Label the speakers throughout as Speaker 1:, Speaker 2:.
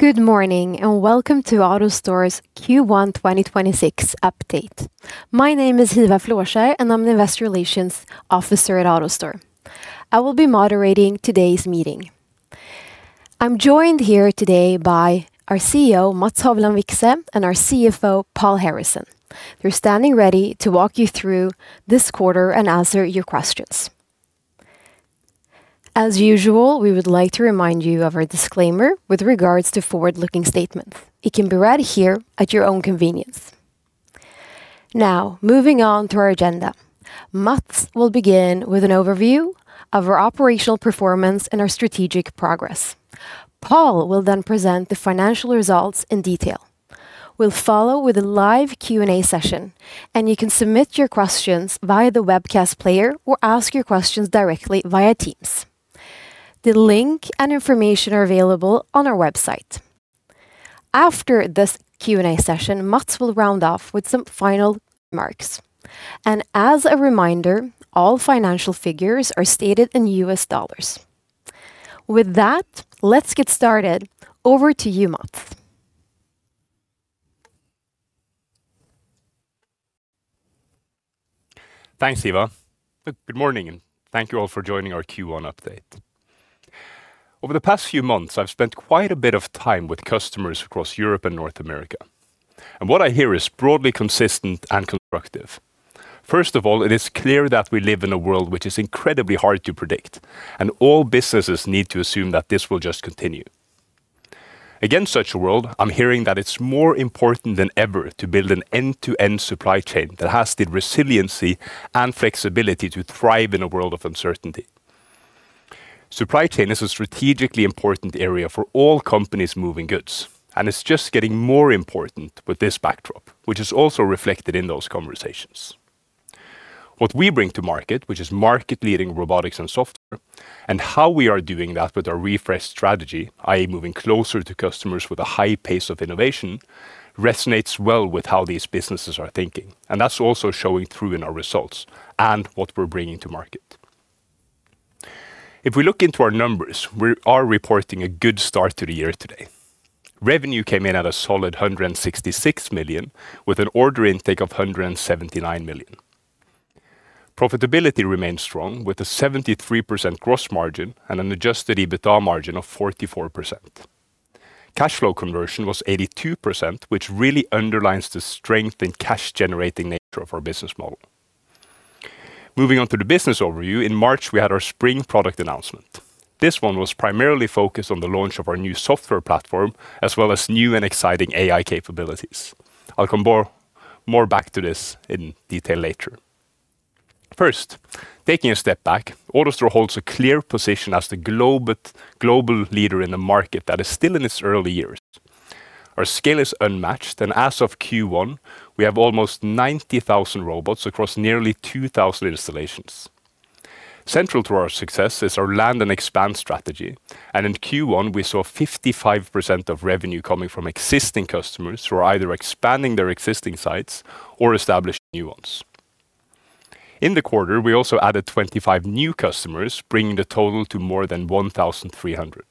Speaker 1: Good morning, and welcome to AutoStore's Q1 2026 update. My name is Hiva Flåskjer, and I'm the Investor Relations Officer at AutoStore. I will be moderating today's meeting. I'm joined here today by our CEO, Mats Hovland Vikse, and our CFO, Paul Harrison, who are standing ready to walk you through this quarter and answer your questions. As usual, we would like to remind you of our disclaimer with regards to forward-looking statements. It can be read here at your own convenience. Now, moving on to our agenda. Mats will begin with an overview of our operational performance and our strategic progress. Paul will then present the financial results in detail. We'll follow with a live Q&A session, and you can submit your questions via the webcast player or ask your questions directly via Teams. The link and information are available on our website. After this Q&A session, Mats will round off with some final remarks. As a reminder, all financial figures are stated in U.S. dollars. With that, let's get started. Over to you, Mats.
Speaker 2: Thanks, Hiva. Good morning, and thank you all for joining our Q1 update. Over the past few months, I've spent quite a bit of time with customers across Europe and North America, and what I hear is broadly consistent and constructive. First of all, it is clear that we live in a world which is incredibly hard to predict, and all businesses need to assume that this will just continue. Against such a world, I'm hearing that it's more important than ever to build an end-to-end supply chain that has the resiliency and flexibility to thrive in a world of uncertainty. Supply chain is a strategically important area for all companies moving goods, and it's just getting more important with this backdrop, which is also reflected in those conversations. What we bring to market, which is market-leading robotics and software, and how we are doing that with our refreshed strategy, i.e. moving closer to customers with a high pace of innovation, resonates well with how these businesses are thinking. That's also showing through in our results and what we're bringing to market. If we look into our numbers, we are reporting a good start to the year today. Revenue came in at a solid $166 million, with an order intake of $179 million. Profitability remained strong, with a 73% gross margin and an adjusted EBITDA margin of 44%. Cash flow conversion was 82%, which really underlines the strength and cash-generating nature of our business model. Moving on to the business overview, in March, we had our spring product announcement. This one was primarily focused on the launch of our new software platform, as well as new and exciting AI capabilities. I'll come more back to this in detail later. First, taking a step back, AutoStore holds a clear position as the global leader in the market that is still in its early years. Our scale is unmatched, and as of Q1, we have almost 90,000 robots across nearly 2,000 installations. Central to our success is our land and expand strategy, and in Q1, we saw 55% of revenue coming from existing customers who are either expanding their existing sites or establishing new ones. In the quarter, we also added 25 new customers, bringing the total to more than 1,300.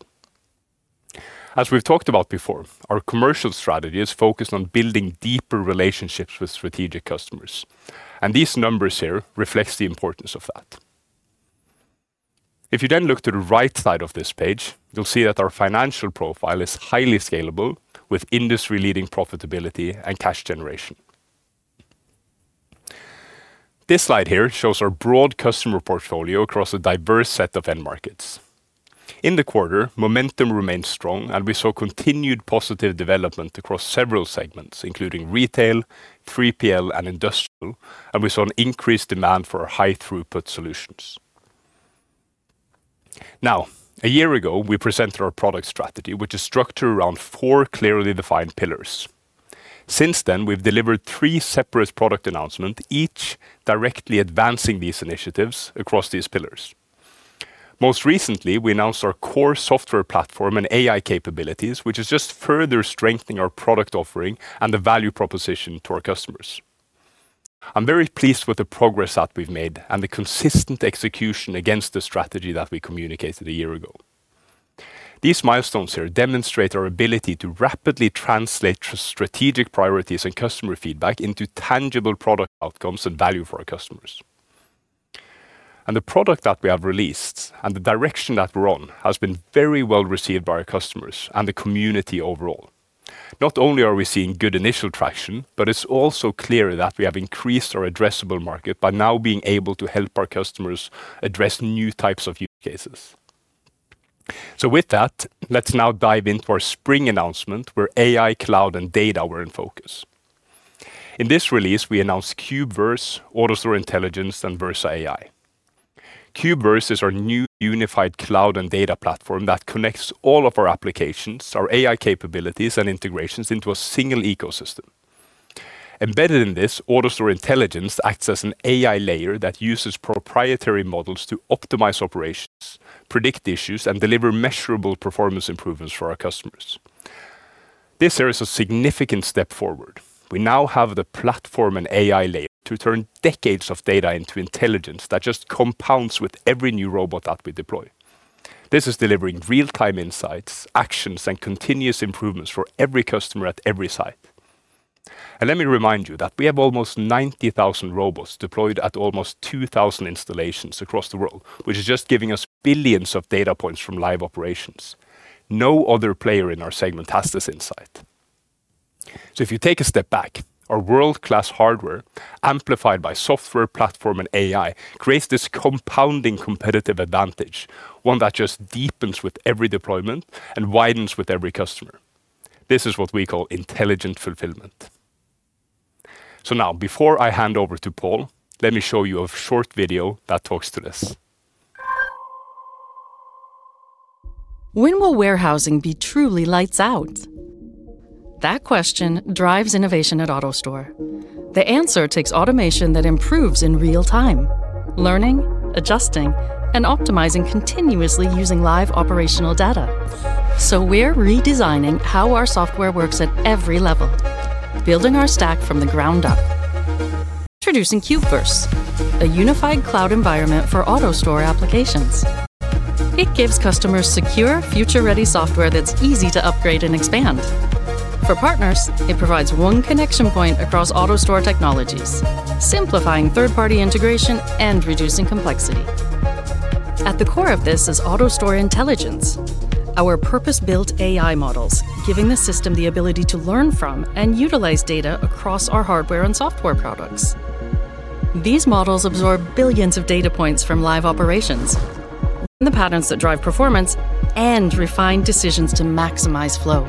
Speaker 2: As we've talked about before, our commercial strategy is focused on building deeper relationships with strategic customers. These numbers here reflects the importance of that. If you then look to the right side of this page, you'll see that our financial profile is highly scalable with industry-leading profitability and cash generation. This slide here shows our broad customer portfolio across a diverse set of end markets. In the quarter, momentum remained strong, and we saw continued positive development across several segments, including retail, 3PL, and industrial, and we saw an increased demand for our high-throughput solutions. Now, a year ago, we presented our product strategy, which is structured around four clearly defined pillars. Since then, we've delivered three separate product announcements, each directly advancing these initiatives across these pillars. Most recently, we announced our core software platform and AI capabilities, which is just further strengthening our product offering and the value proposition to our customers. I'm very pleased with the progress that we've made and the consistent execution against the strategy that we communicated a year ago. These milestones here demonstrate our ability to rapidly translate strategic priorities and customer feedback into tangible product outcomes and value for our customers. The product that we have released and the direction that we're on has been very well received by our customers and the community overall. Not only are we seeing good initial traction, but it's also clear that we have increased our addressable market by now being able to help our customers address new types of use cases. With that, let's now dive in for a spring announcement where AI, cloud, and data were in focus. In this release, we announced CubeVerse, AutoStore Intelligence, and VersaAI. CubeVerse is our new unified cloud and data platform that connects all of our applications, our AI capabilities, and integrations into a single ecosystem. Embedded in this, AutoStore Intelligence acts as an AI layer that uses proprietary models to optimize operations, predict issues, and deliver measurable performance improvements for our customers. This here is a significant step forward. We now have the platform and AI layer to turn decades of data into intelligence that just compounds with every new robot that we deploy. This is delivering real-time insights, actions, and continuous improvements for every customer at every site. Let me remind you that we have almost 90,000 robots deployed at almost 2,000 installations across the world, which is just giving us billions of data points from live operations. No other player in our segment has this insight. If you take a step back, our world-class hardware, amplified by software platform and AI, creates this compounding competitive advantage, one that just deepens with every deployment and widens with every customer. This is what we call Intelligent Fulfillment. Now, before I hand over to Paul, let me show you a short video that talks to this.
Speaker 3: When will warehousing be truly lights out? That question drives innovation at AutoStore. The answer takes automation that improves in real time, learning, adjusting, and optimizing continuously using live operational data. We're redesigning how our software works at every level, building our stack from the ground up. Introducing CubeVerse, a unified cloud environment for AutoStore applications. It gives customers secure, future-ready software that's easy to upgrade and expand. For partners, it provides one connection point across AutoStore technologies, simplifying third-party integration and reducing complexity. At the core of this is AutoStore Intelligence, our purpose-built AI models, giving the system the ability to learn from and utilize data across our hardware and software products. These models absorb billions of data points from live operations, learn the patterns that drive performance, and refine decisions to maximize flow.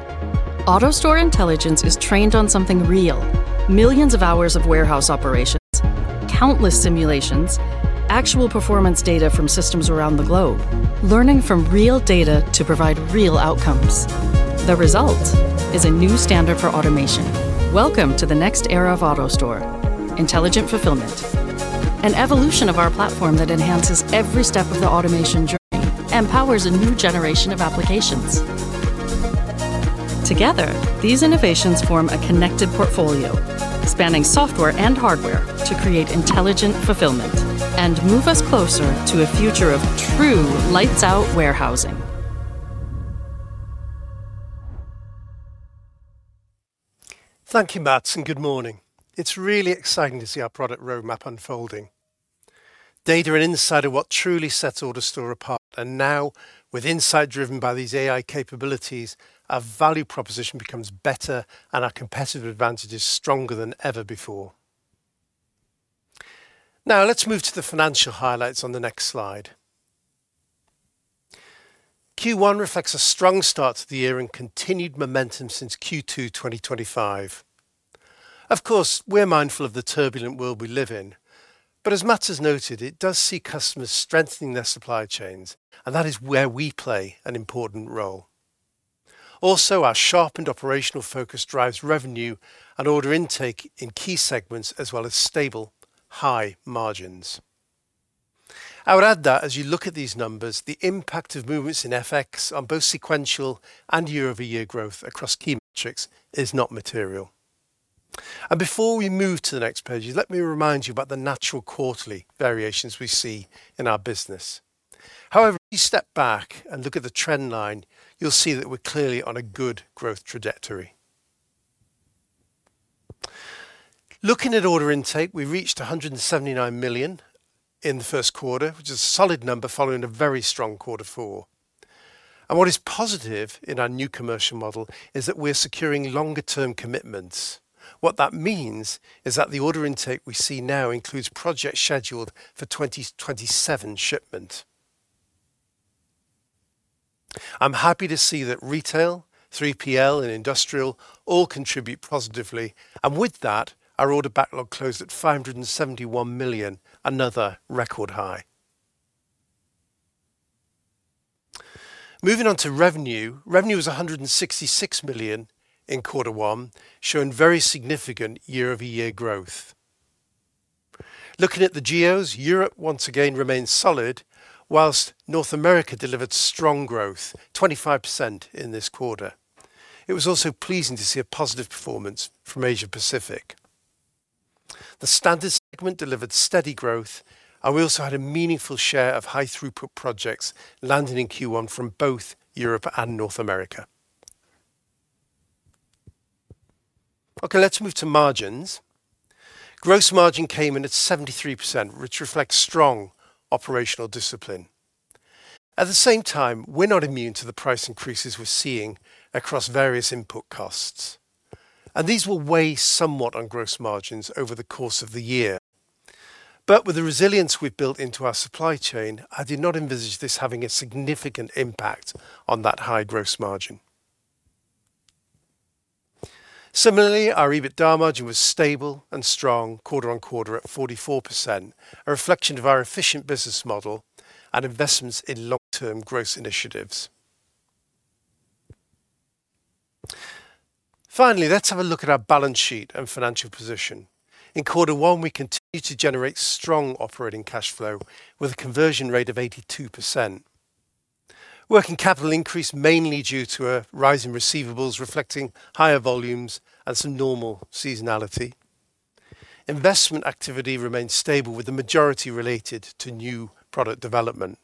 Speaker 3: AutoStore Intelligence is trained on something real, millions of hours of warehouse operations, countless simulations, actual performance data from systems around the globe, learning from real data to provide real outcomes. The result is a new standard for automation. Welcome to the next era of AutoStore, Intelligent Fulfillment, an evolution of our platform that enhances every step of the automation journey and powers a new generation of applications. Together, these innovations form a connected portfolio, spanning software and hardware to create intelligent fulfillment and move us closer to a future of true lights out warehousing.
Speaker 4: Thank you, Mats, and good morning. It's really exciting to see our product roadmap unfolding. Data and insight are what truly sets AutoStore apart, and now with insight driven by these AI capabilities, our value proposition becomes better and our competitive advantage is stronger than ever before. Now let's move to the financial highlights on the next slide. Q1 reflects a strong start to the year and continued momentum since Q2 2025. Of course, we're mindful of the turbulent world we live in, but as Mats has noted, it does see customers strengthening their supply chains, and that is where we play an important role. Also, our sharpened operational focus drives revenue and order intake in key segments as well as stable high margins. I would add that as you look at these numbers, the impact of movements in FX on both sequential and year-over-year growth across key metrics is not material. Before we move to the next page, let me remind you about the natural quarterly variations we see in our business. However, if you step back and look at the trend line, you'll see that we're clearly on a good growth trajectory. Looking at order intake, we reached $179 million in the first quarter, which is a solid number following a very strong quarter four. What is positive in our new commercial model is that we're securing longer-term commitments. What that means is that the order intake we see now includes projects scheduled for 2027 shipment. I'm happy to see that retail, 3PL, and industrial all contribute positively. With that, our order backlog closed at $571 million, another record high. Moving on to revenue. Revenue was $166 million in quarter one, showing very significant year-over-year growth. Looking at the geos, Europe once again remained solid, while North America delivered strong growth, 25% in this quarter. It was also pleasing to see a positive performance from Asia Pacific. The standard segment delivered steady growth, and we also had a meaningful share of high-throughput projects landing in Q1 from both Europe and North America. Okay, let's move to margins. Gross margin came in at 73%, which reflects strong operational discipline. At the same time, we're not immune to the price increases we're seeing across various input costs, and these will weigh somewhat on gross margins over the course of the year. With the resilience we've built into our supply chain, I do not envisage this having a significant impact on that high gross margin. Similarly, our EBITDA margin was stable and strong quarter-over-quarter at 44%, a reflection of our efficient business model and investments in long-term growth initiatives. Finally, let's have a look at our balance sheet and financial position. In quarter one, we continued to generate strong operating cash flow with a conversion rate of 82%. Working capital increased mainly due to a rise in receivables reflecting higher volumes and some normal seasonality. Investment activity remained stable, with the majority related to new product development.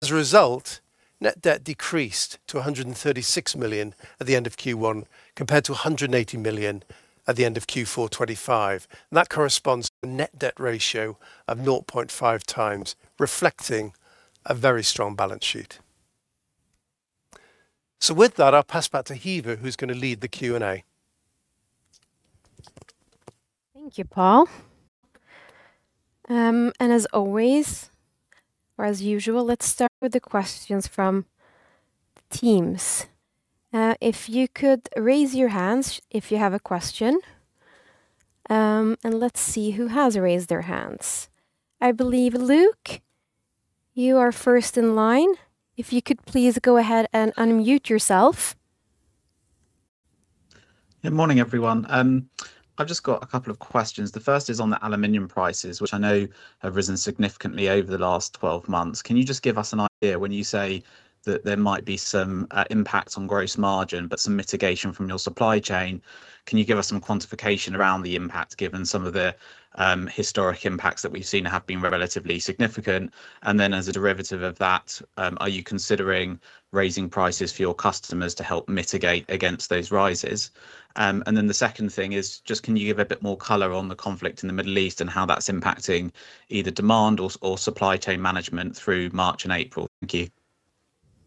Speaker 4: As a result, net debt decreased to $136 million at the end of Q1 compared to $180 million at the end of Q4 2025, and that corresponds to a net debt ratio of 0.5x, reflecting a very strong balance sheet. With that, I'll pass back to Hiva, who's going to lead the Q&A.
Speaker 1: Thank you, Paul. As always or as usual, let's start with the questions from Teams. If you could raise your hands if you have a question, and let's see who has raised their hands. I believe, Luke, you are first in line. If you could please go ahead and unmute yourself.
Speaker 5: Good morning, everyone. I've just got a couple of questions. The first is on the aluminum prices, which I know have risen significantly over the last 12 months. Can you just give us an idea when you say that there might be some impact on gross margin, but some mitigation from your supply chain? Can you give us some quantification around the impact given some of the historic impacts that we've seen have been relatively significant? As a derivative of that, are you considering raising prices for your customers to help mitigate against those rises? The second thing is just can you give a bit more color on the conflict in the Middle East and how that's impacting either demand or supply chain management through March and April?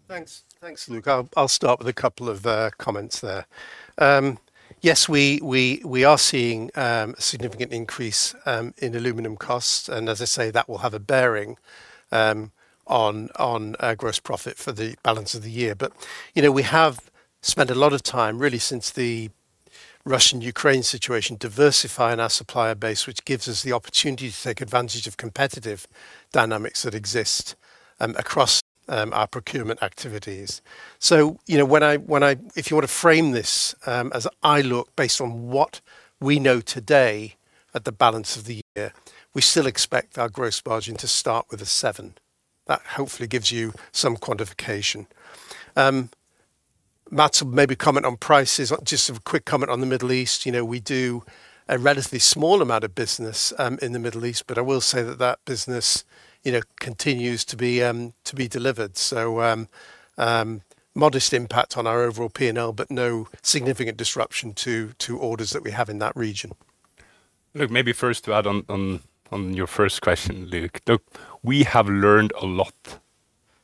Speaker 5: Thank you.
Speaker 4: Thanks, Luke. I'll start with a couple of comments there. Yes, we are seeing a significant increase in aluminum costs, and as I say, that will have a bearing on our gross profit for the balance of the year. We have spent a lot of time, really since the Russian-Ukraine situation, diversifying our supplier base, which gives us the opportunity to take advantage of competitive dynamics that exist across our procurement activities. If you were to frame this, as I look based on what we know today at the balance of the year, we still expect our gross margin to start with a seven. That hopefully gives you some quantification. Mats will maybe comment on prices. Just a quick comment on the Middle East. We do a relatively small amount of business in the Middle East, but I will say that that business continues to be delivered. Modest impact on our overall P&L, but no significant disruption to orders that we have in that region.
Speaker 2: Look, maybe first to add on your first question, Luke. Look, we have learned a lot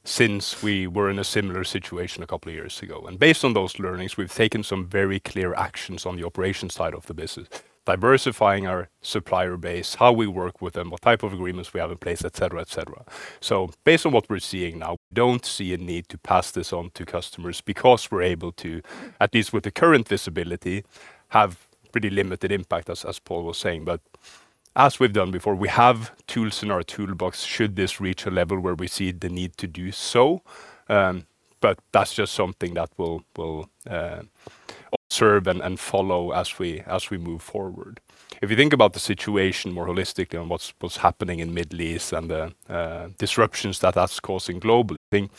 Speaker 2: since we were in a similar situation a couple of years ago. Based on those learnings, we've taken some very clear actions on the operations side of the business, diversifying our supplier base, how we work with them, what type of agreements we have in place, et cetera. Based on what we're seeing now, we don't see a need to pass this on to customers because we're able to, at least with the current visibility, have pretty limited impact as Paul was saying. As we've done before, we have tools in our toolbox should this reach a level where we see the need to do so, but that's just something that we'll observe and follow as we move forward. If you think about the situation more holistically on what's happening in Middle East and the disruptions that that's causing globally, I think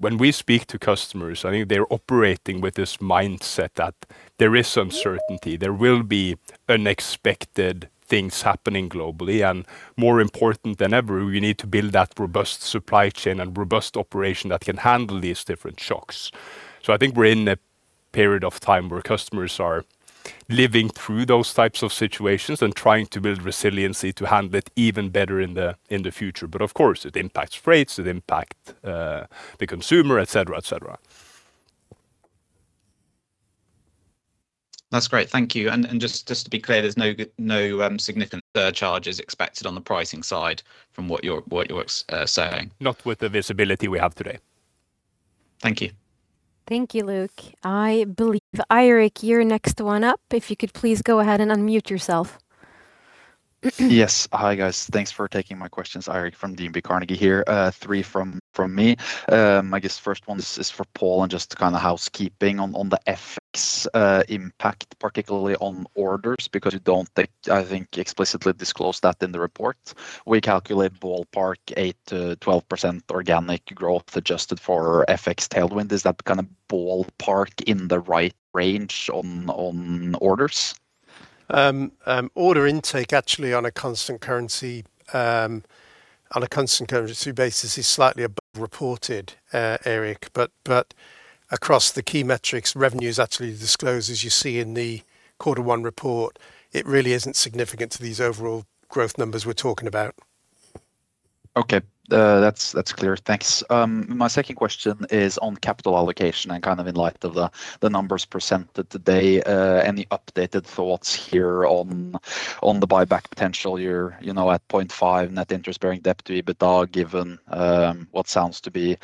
Speaker 2: when we speak to customers, I think they're operating with this mindset that there is some certainty, there will be unexpected things happening globally, and more important than ever, we need to build that robust supply chain and robust operation that can handle these different shocks. I think we're in a period of time where customers are living through those types of situations and trying to build resiliency to handle it even better in the future. Of course, it impacts rates, it impact the consumer, et cetera.
Speaker 5: That's great. Thank you. Just to be clear, there's no significant surcharges expected on the pricing side from what you're saying?
Speaker 2: Not with the visibility we have today.
Speaker 5: Thank you.
Speaker 1: Thank you, Luke. I believe, Eirik, you're next one up. If you could please go ahead and unmute yourself.
Speaker 6: Yes. Hi, guys. Thanks for taking my questions. Eirik from DNB Carnegie here. Three from me. I guess first one is for Paul and just to kind of housekeeping on the FX impact, particularly on orders, because you don't, I think, explicitly disclose that in the report. We calculate ballpark 8%-12% organic growth adjusted for FX tailwind. Is that kind of ballpark in the right range on orders?
Speaker 4: Order intake actually on a constant currency basis is slightly above reported, Eirik. Across the key metrics, revenues actually disclose, as you see in the quarter one report, it really isn't significant to these overall growth numbers we're talking about.
Speaker 6: Okay. That's clear. Thanks. My second question is on capital allocation and kind of in light of the numbers presented today. Any updated thoughts here on the buyback potential? You're at 0.5 net interest-bearing debt to EBITDA, given what sounds to be,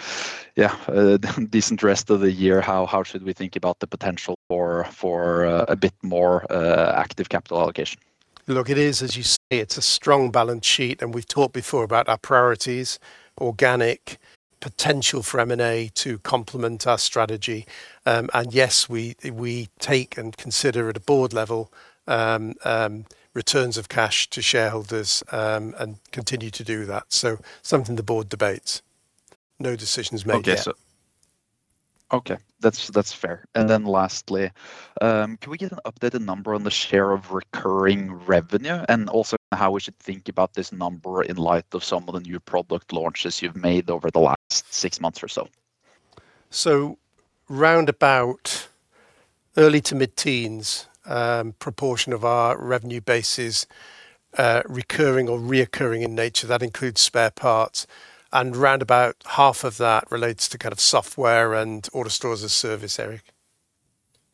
Speaker 6: yeah, a decent rest of the year, how should we think about the potential for a bit more active capital allocation?
Speaker 4: Look, it is, as you say, it's a strong balance sheet, and we've talked before about our priorities, organic potential for M&A to complement our strategy. Yes, we take and consider at a board level returns of cash to shareholders, and continue to do that. Something the board debates. No decisions made yet.
Speaker 6: Okay. That's fair. Lastly, can we get an updated number on the share of recurring revenue? Also how we should think about this number in light of some of the new product launches you've made over the last six months or so.
Speaker 4: Round about early to mid-teens proportion of our revenue base is recurring in nature. That includes spare parts. Round about half of that relates to software and AutoStore as a Service, Eirik.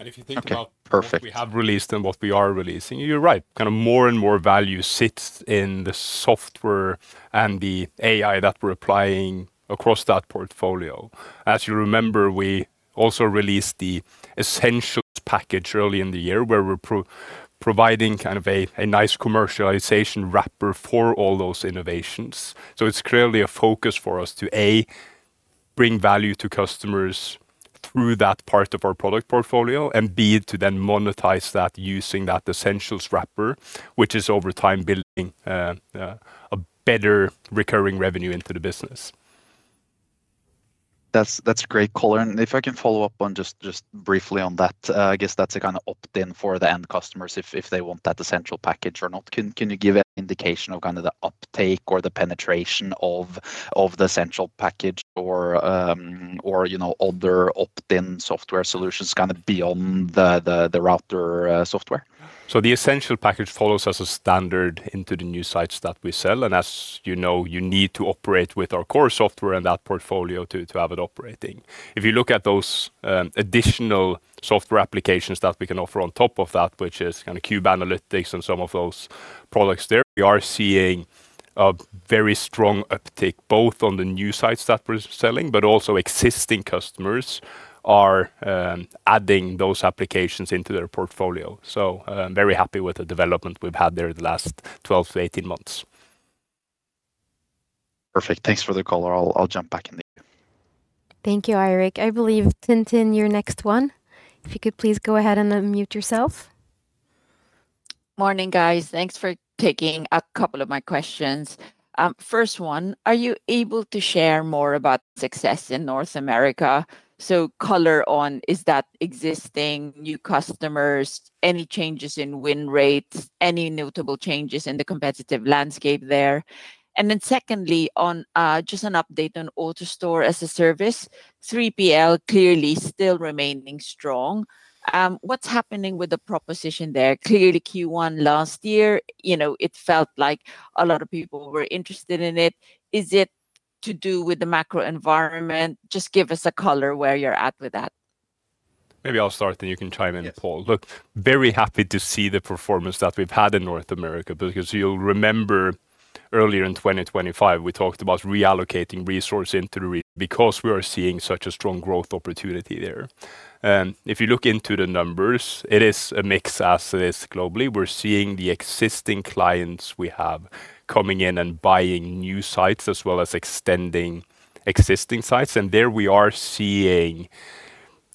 Speaker 6: Okay. Perfect.
Speaker 2: If you think about what we have released and what we are releasing, you're right. More and more value sits in the software and the AI that we're applying across that portfolio. As you remember, we also released the Essentials Package early in the year, where we're providing a nice commercialization wrapper for all those innovations. It's clearly a focus for us to, A, bring value to customers through that part of our product portfolio, and B, to then monetize that using that Essentials wrapper, which is over time building a better recurring revenue into the business.
Speaker 6: That's great, color. If I can follow up just briefly on that. I guess that's an opt-in for the end customers if they want that Essentials Package or not. Can you give an indication of the uptake or the penetration of the Essentials Package or other opt-in software solutions beyond the router software?
Speaker 2: The Essentials Package follows as a standard into the new sites that we sell. As you know, you need to operate with our core software and that portfolio to have it operating. If you look at those additional software applications that we can offer on top of that, which is CubeAnalytics and some of those products there, we are seeing a very strong uptake, both on the new sites that we're selling, but also existing customers are adding those applications into their portfolio. Very happy with the development we've had there the last 12-18 months.
Speaker 6: Perfect. Thanks for that, color. I'll jump back in the queue.
Speaker 1: Thank you, Eirik. I believe Tintin you're next one. If you could please go ahead and unmute yourself.
Speaker 7: Morning, guys. Thanks for taking a couple of my questions. First one, are you able to share more about success in North America? So color on, is that existing, new customers, any changes in win rates, any notable changes in the competitive landscape there? Secondly, on just an update on AutoStore as a Service, 3PL clearly still remaining strong. What's happening with the proposition there? Clearly Q1 last year, it felt like a lot of people were interested in it. Is it to do with the macro environment? Just give us a color where you're at with that.
Speaker 2: Maybe I'll start, then you can chime in, Paul.
Speaker 4: Yeah.
Speaker 2: Look, very happy to see the performance that we've had in North America, because you'll remember earlier in 2025, we talked about reallocating resource into the region because we are seeing such a strong growth opportunity there. If you look into the numbers, it is a mix as it is globally. We're seeing the existing clients we have coming in and buying new sites as well as extending existing sites. There we are seeing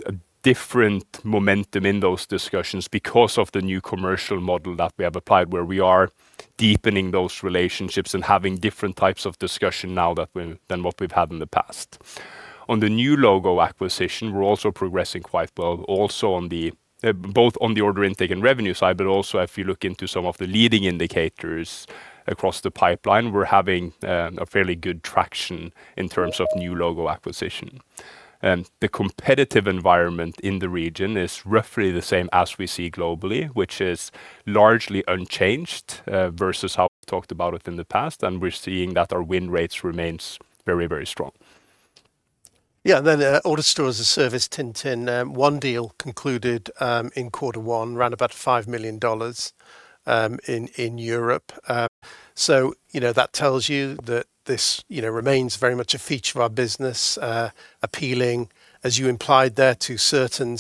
Speaker 2: a different momentum in those discussions because of the new commercial model that we have applied, where we are deepening those relationships and having different types of discussion now than what we've had in the past. On the new logo acquisition, we're also progressing quite well, both on the order intake and revenue side, but also if you look into some of the leading indicators across the pipeline, we're having a fairly good traction in terms of new logo acquisition. The competitive environment in the region is roughly the same as we see globally, which is largely unchanged versus how we've talked about it in the past. We're seeing that our win rates remains very, very strong.
Speaker 4: Yeah, AutoStore as a service, Tintin, one deal concluded in quarter one, round about $5 million in Europe. That tells you that this remains very much a feature of our business, appealing, as you implied there, to certain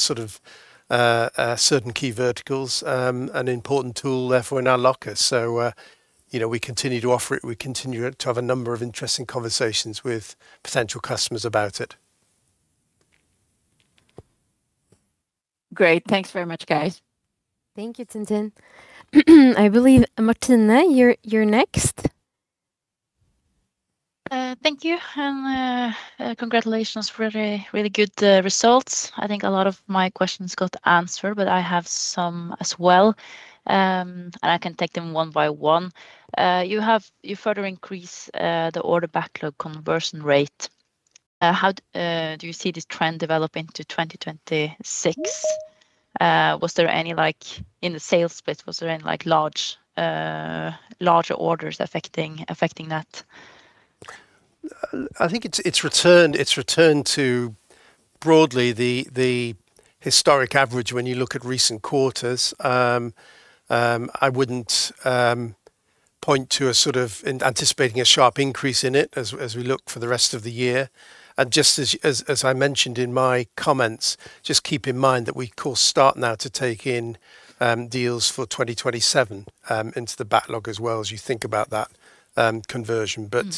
Speaker 4: key verticals, an important tool therefore in our locker. We continue to offer it. We continue to have a number of interesting conversations with potential customers about it.
Speaker 7: Great. Thanks very much, guys.
Speaker 1: Thank you, Tintin. I believe Martine, you're next.
Speaker 8: Thank you, and congratulations for the really good results. I think a lot of my questions got answered, but I have some as well, and I can take them one by one. You further increase the order backlog conversion rate. How do you see this trend developing to 2026? Was there any, in the sales bit, was there any larger orders affecting that?
Speaker 4: I think it's returned to broadly the historic average when you look at recent quarters. I wouldn't point to anticipating a sharp increase in it as we look for the rest of the year. Just as I mentioned in my comments, just keep in mind that we of course start now to take in deals for 2027 into the backlog as well, as you think about that conversion. Good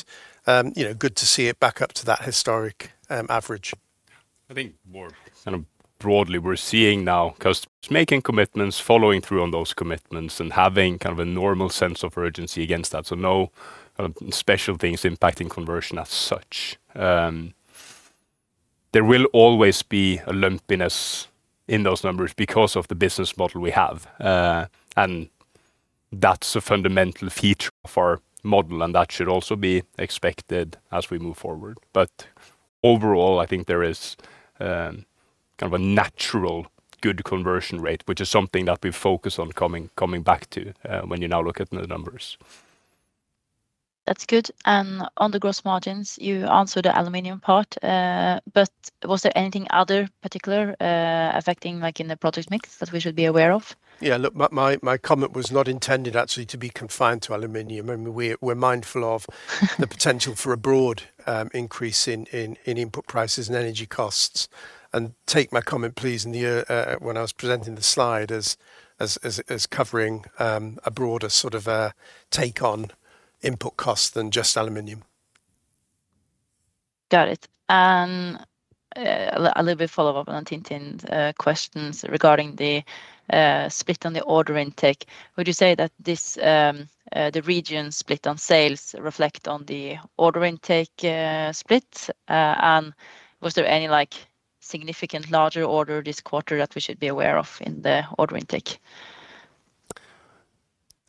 Speaker 4: to see it back up to that historic average.
Speaker 2: I think more kind of broadly, we're seeing now customers making commitments, following through on those commitments, and having kind of a normal sense of urgency against that. No special things impacting conversion as such. There will always be a lumpiness in those numbers because of the business model we have. That's a fundamental feature of our model, and that should also be expected as we move forward. Overall, I think there is kind of a natural good conversion rate, which is something that we focus on coming back to when you now look at the numbers.
Speaker 8: That's good, and on the gross margins, you answered the aluminum part. Was there anything other particular affecting in the product mix that we should be aware of?
Speaker 4: Yeah. Look, my comment was not intended actually to be confined to aluminum. I mean, we're mindful of the potential for a broad increase in input prices and energy costs. Take my comment, please, when I was presenting the slide as covering a broader sort of a take on input costs than just aluminum.
Speaker 8: Got it. A little bit follow-up on Tintin's questions regarding the split on the order intake. Would you say that the region split on sales reflect on the order intake split? And was there any significant larger order this quarter that we should be aware of in the order intake?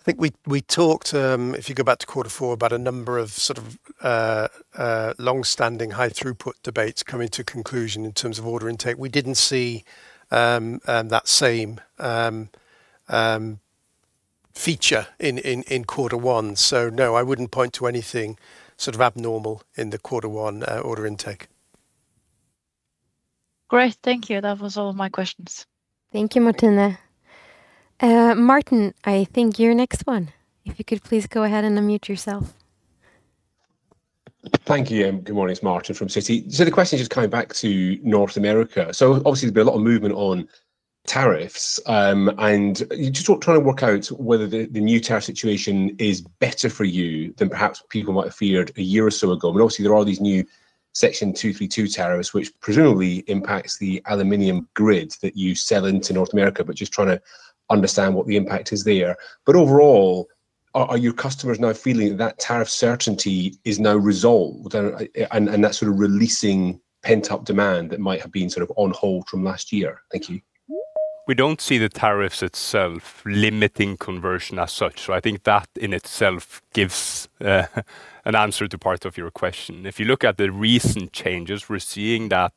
Speaker 4: I think we talked, if you go back to quarter four, about a number of sort of long-standing high-throughput debates coming to conclusion in terms of order intake. We didn't see that same feature in quarter one. No, I wouldn't point to anything sort of abnormal in the quarter one order intake.
Speaker 8: Great. Thank you. That was all of my questions.
Speaker 1: Thank you, Martine. Martin, I think you're next one. If you could please go ahead and unmute yourself.
Speaker 9: Thank you, and good morning. It's Martin from Citi. The question just coming back to North America, so obviously there's been a lot of movement on tariffs. Just trying to work out whether the new tariff situation is better for you than perhaps people might have feared a year or so ago. Obviously there are these new Section 232 tariffs, which presumably impacts the aluminum grid that you sell into North America, but just trying to understand what the impact is there. Overall, are your customers now feeling that that tariff certainty is now resolved and that's sort of releasing pent-up demand that might have been sort of on hold from last year? Thank you.
Speaker 2: We don't see the tariffs itself limiting conversion as such. I think that in itself gives an answer to part of your question. If you look at the recent changes, we're seeing that,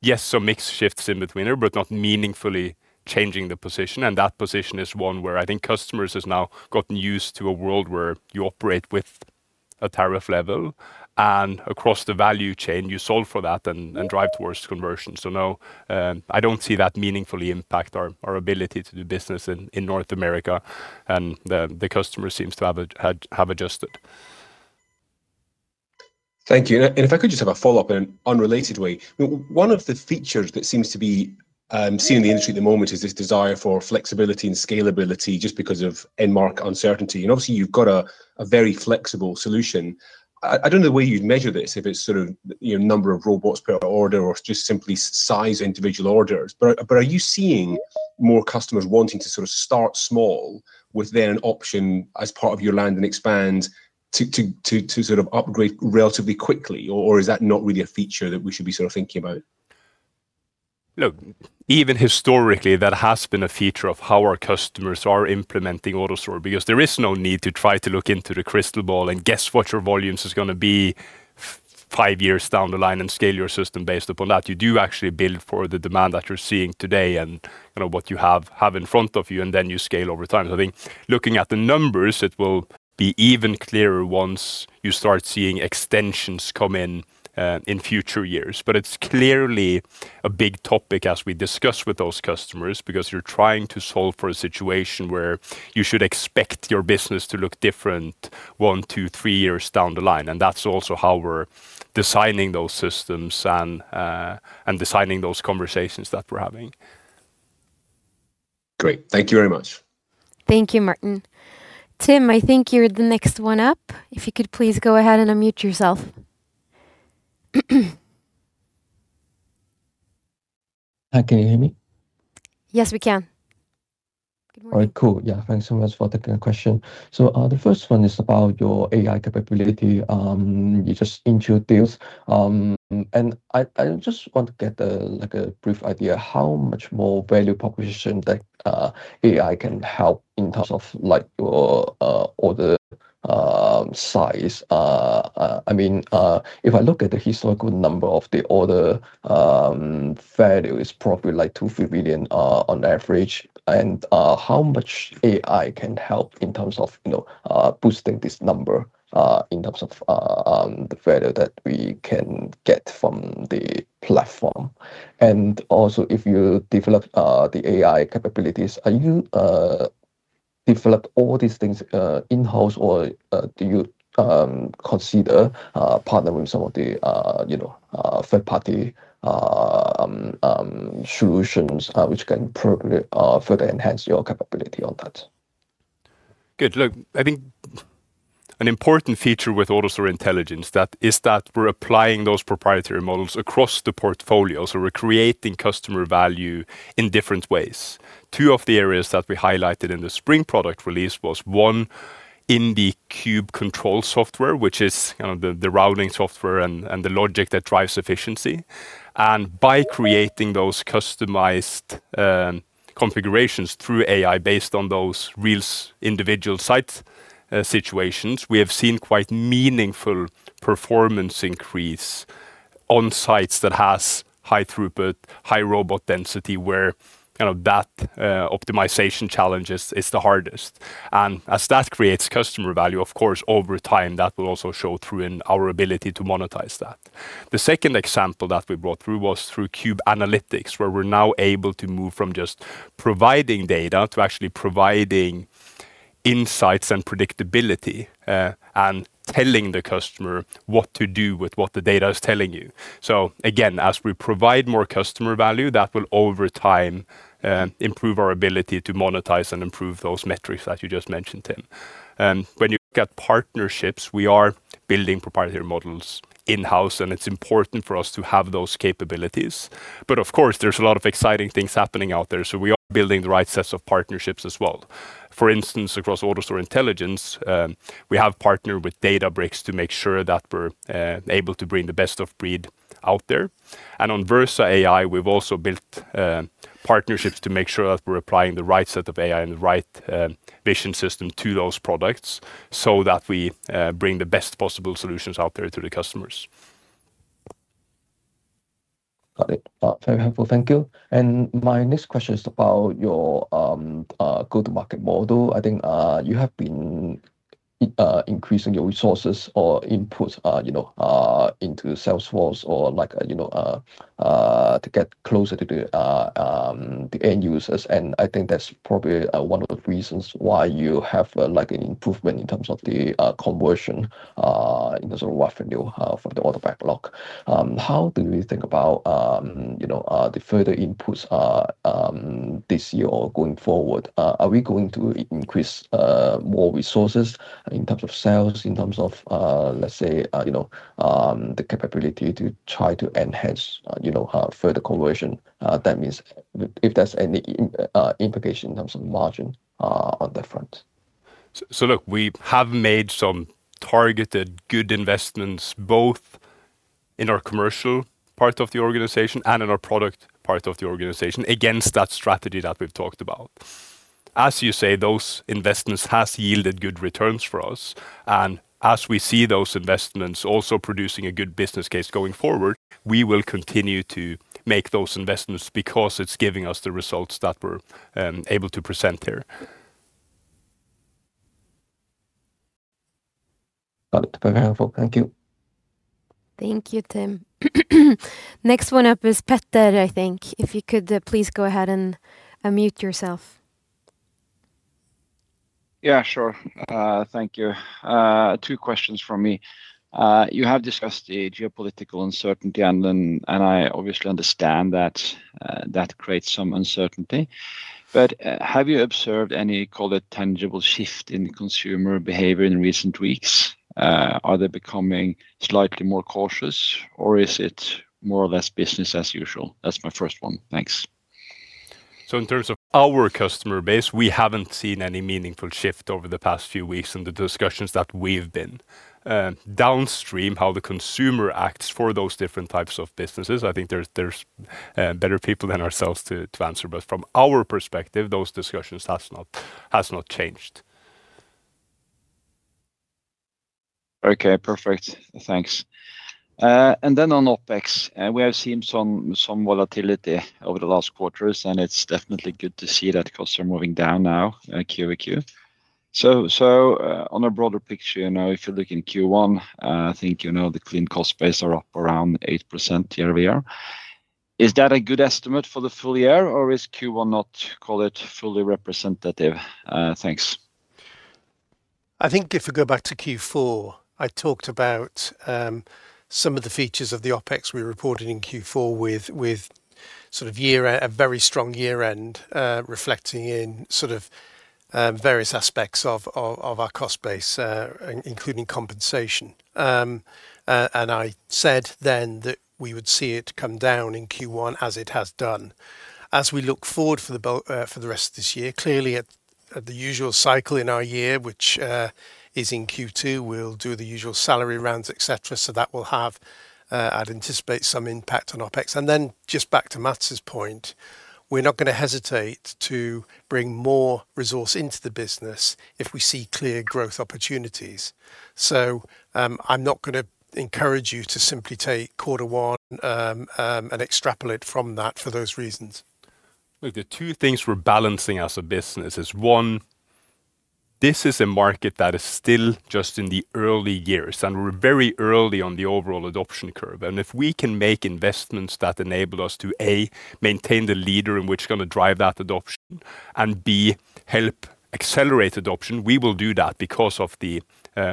Speaker 2: yes, some mix shifts in between there, but not meaningfully changing the position. That position is one where I think customers has now gotten used to a world where you operate with a tariff level, and across the value chain, you solve for that and drive towards conversion. No, I don't see that meaningfully impact our ability to do business in North America, and the customer seems to have adjusted.
Speaker 9: Thank you. If I could just have a follow-up in an unrelated way. One of the features that seems to be seen in the industry at the moment is this desire for flexibility and scalability just because of end-market uncertainty. Obviously, you've got a very flexible solution. I don't know the way you'd measure this, if it's sort of number of robots per order or just simply size individual orders. Are you seeing more customers wanting to sort of start small with then an option as part of your land and expand to sort of upgrade relatively quickly? Or is that not really a feature that we should be sort of thinking about?
Speaker 2: Look, even historically, that has been a feature of how our customers are implementing AutoStore, because there is no need to try to look into the crystal ball and guess what your volumes is going to be five years down the line and scale your system based upon that. You do actually build for the demand that you're seeing today and what you have in front of you, and then you scale over time. I think looking at the numbers, it will be even clearer once you start seeing extensions come in in future years. It's clearly a big topic as we discuss with those customers, because you're trying to solve for a situation where you should expect your business to look different 1, 2, 3 years down the line, and that's also how we're designing those systems and designing those conversations that we're having.
Speaker 9: Great. Thank you very much.
Speaker 1: Thank you, Martin. Tim, I think you're the next one up. If you could please go ahead and unmute yourself.
Speaker 10: Hi, can you hear me?
Speaker 1: Yes, we can. Good morning.
Speaker 10: All right, cool. Yeah. Thanks so much for taking the question. The first one is about your AI capability. You just introduced, and I just want to get a brief idea how much more value proposition that AI can help in terms of your order size. If I look at the historical number of the order, value is probably $2 million-$3 million on average, and how much AI can help in terms of boosting this number, in terms of the value that we can get from the platform. Also, if you develop the AI capabilities, are you develop all these things in-house or do you consider partnering with some of the third party solutions which can probably further enhance your capability on that?
Speaker 2: Good. Look, I think an important feature with AutoStore Intelligence is that we're applying those proprietary models across the portfolio. We're creating customer value in different ways. Two of the areas that we highlighted in the spring product release was one in the CubeControl software, which is kind of the routing software and the logic that drives efficiency. By creating those customized configurations through AI based on those real individual site situations, we have seen quite meaningful performance increase on sites that has high-throughput, high robot density, where that optimization challenge is the hardest. As that creates customer value, of course, over time, that will also show through in our ability to monetize that. The second example that we brought through was through CubeAnalytics, where we're now able to move from just providing data to actually providing insights and predictability, and telling the customer what to do with what the data is telling you. Again, as we provide more customer value, that will over time, improve our ability to monetize and improve those metrics as you just mentioned, Tim. When you look at partnerships, we are building proprietary models in-house, and it's important for us to have those capabilities. Of course, there's a lot of exciting things happening out there. We are building the right sets of partnerships as well. For instance, across AutoStore Intelligence, we have partnered with Databricks to make sure that we're able to bring the best of breed out there. On VersaAI, we've also built partnerships to make sure that we're applying the right set of AI and the right vision system to those products so that we bring the best possible solutions out there to the customers.
Speaker 10: Got it. Very helpful. Thank you. My next question is about your go-to-market model. I think you have been increasing your resources or inputs into Salesforce to get closer to the end users. I think that's probably one of the reasons why you have an improvement in terms of the conversion in terms of revenue from the order backlog. How do we think about the further inputs this year or going forward? Are we going to increase more resources in terms of sales, in terms of, let's say, the capability to try to enhance further conversion? That means if there's any implication in terms of margin on that front.
Speaker 2: Look, we have made some targeted good investments both in our commercial part of the organization and in our product part of the organization against that strategy that we've talked about. As you say, those investments has yielded good returns for us. As we see those investments also producing a good business case going forward, we will continue to make those investments because it's giving us the results that we're able to present here.
Speaker 10: Got it. Very helpful. Thank you.
Speaker 1: Thank you, Tim. Next one up is Petter, I think. If you could please go ahead and unmute yourself.
Speaker 11: Yeah, sure. Thank you. Two questions from me. You have discussed the geopolitical uncertainty, and I obviously understand that creates some uncertainty, but have you observed any, call it, tangible shift in consumer behavior in recent weeks? Are they becoming slightly more cautious or is it more or less business as usual? That's my first one. Thanks.
Speaker 2: In terms of our customer base, we haven't seen any meaningful shift over the past few weeks in the discussions that we've been downstream, how the consumer acts for those different types of businesses. I think there's better people than ourselves to answer, but from our perspective, those discussions has not changed.
Speaker 11: Okay, perfect. Thanks. Then on OpEx, we have seen some volatility over the last quarters, and it's definitely good to see that costs are moving down now, Q-over-Q. On a broader picture now, if you look in Q1, I think you know the clean cost base are up around 8% year-over-year. Is that a good estimate for the full year or is Q1 not, call it, fully representative? Thanks.
Speaker 4: I think if we go back to Q4, I talked about some of the features of the OpEx we reported in Q4 with a very strong year-end, reflecting in various aspects of our cost base, including compensation. I said then that we would see it come down in Q1 as it has done. As we look forward for the rest of this year, clearly at the usual cycle in our year, which is in Q2, we'll do the usual salary rounds, et cetera. That will have, I'd anticipate, some impact on OpEx. Then just back to Mats' point, we're not going to hesitate to bring more resource into the business if we see clear growth opportunities. I'm not going to encourage you to simply take quarter one and extrapolate from that for those reasons.
Speaker 2: Look, the two things we're balancing as a business is, one, this is a market that is still just in the early years, and we're very early on the overall adoption curve. If we can make investments that enable us to, A, maintain the leader in which is going to drive that adoption, and B, help accelerate adoption, we will do that because of the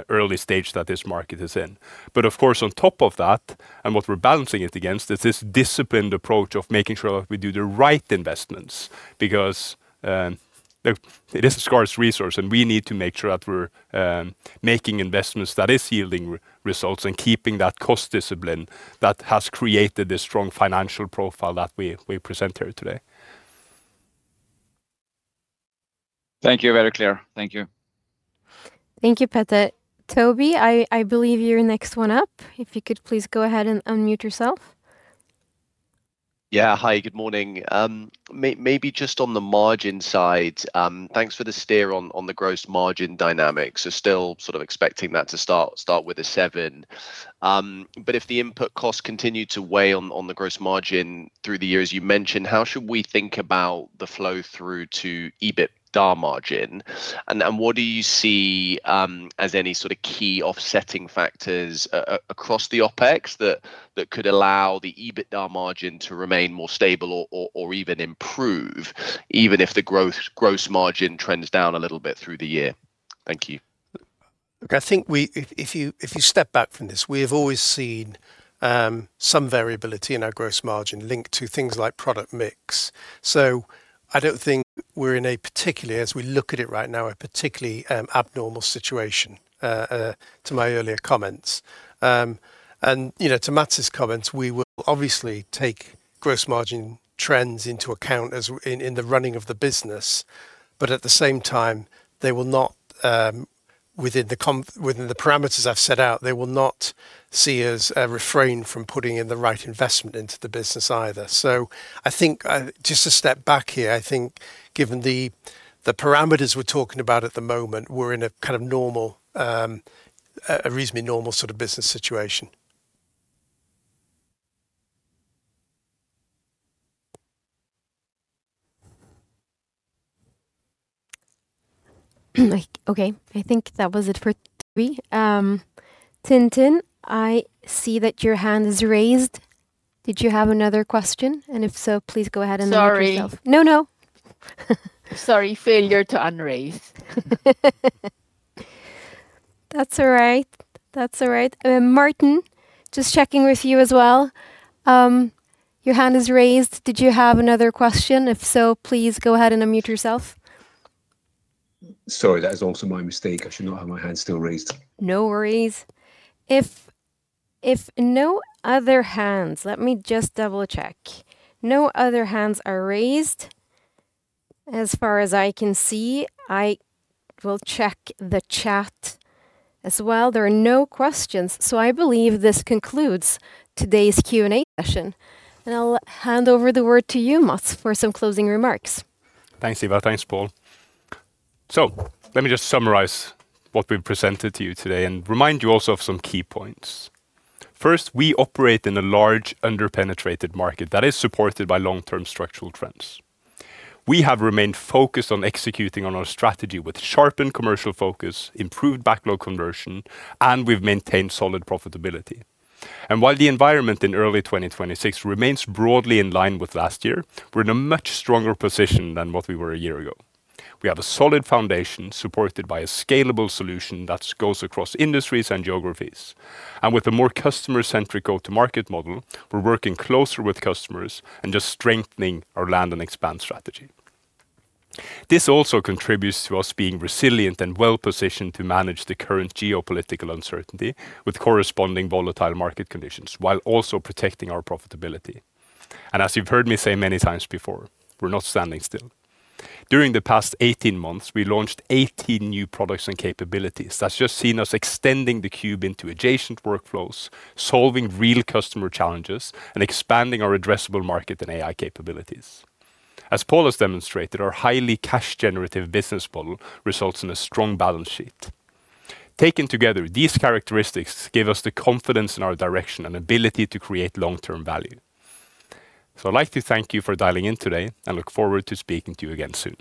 Speaker 2: early stage that this market is in. Of course, on top of that, and what we're balancing it against is this disciplined approach of making sure that we do the right investments, because it is a scarce resource, and we need to make sure that we're making investments that is yielding results and keeping that cost discipline that has created this strong financial profile that we present here today.
Speaker 11: Thank you. Very clear. Thank you.
Speaker 1: Thank you, Petter. Toby, I believe you're next one up. If you could please go ahead and unmute yourself.
Speaker 12: Yeah. Hi, good morning. Maybe just on the margin side, thanks for the steer on the gross margin dynamics. Still sort of expecting that to start with a 7%. If the input costs continue to weigh on the gross margin through the year, as you mentioned, how should we think about the flow-through to EBITDA margin? What do you see as any sort of key offsetting factors across the OpEx that could allow the EBITDA margin to remain more stable or even improve, even if the gross margin trends down a little bit through the year? Thank you.
Speaker 4: Look, I think if you step back from this, we have always seen some variability in our gross margin linked to things like product mix. I don't think we're in a particularly, as we look at it right now, a particularly abnormal situation to my earlier comments to Mats' comments, we will obviously take gross margin trends into account in the running of the business. At the same time, within the parameters I've set out, they will not see us refrain from putting in the right investment into the business either. I think just to step back here, I think given the parameters we're talking about at the moment, we're in a reasonably normal sort of business situation.
Speaker 1: Okay, I think that was it for Toby. Tintin, I see that your hand is raised. Did you have another question? If so, please go ahead and unmute yourself.
Speaker 7: Sorry.
Speaker 1: No.
Speaker 7: Sorry, failure to unraise.
Speaker 1: That's all right. Martin, just checking with you as well. Your hand is raised. Did you have another question? If so, please go ahead and unmute yourself.
Speaker 9: Sorry, that is also my mistake. I should not have my hand still raised.
Speaker 1: No worries. If no other hands. Let me just double-check. No other hands are raised as far as I can see. I will check the chat as well. There are no questions, so I believe this concludes today's Q&A session, and I'll hand over the word to you, Mats, for some closing remarks.
Speaker 2: Thanks, Hiva. Thanks, Paul. Let me just summarize what we've presented to you today and remind you also of some key points. First, we operate in a large under-penetrated market that is supported by long-term structural trends. We have remained focused on executing on our strategy with sharpened commercial focus, improved backlog conversion, and we've maintained solid profitability. While the environment in early 2026 remains broadly in line with last year, we're in a much stronger position than what we were a year ago. We have a solid foundation supported by a scalable solution that goes across industries and geographies. With a more customer-centric go-to-market model, we're working closer with customers and just strengthening our land and expand strategy. This also contributes to us being resilient and well-positioned to manage the current geopolitical uncertainty with corresponding volatile market conditions, while also protecting our profitability. As you've heard me say many times before, we're not standing still. During the past 18 months, we launched 18 new products and capabilities. That's just seen us extending the cube into adjacent workflows, solving real customer challenges, and expanding our addressable market and AI capabilities. As Paul has demonstrated, our highly cash generative business model results in a strong balance sheet. Taken together, these characteristics give us the confidence in our direction and ability to create long-term value. I'd like to thank you for dialing in today, and look forward to speaking to you again soon.